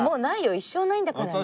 一生ないんだからね。